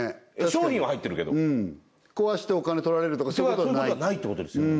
商品は入ってるけど壊してお金取られるとかそういうことはないそういうことはないってことですよね